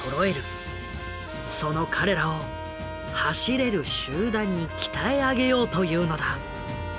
その彼らを「走れる」集団に鍛え上げようというのだ。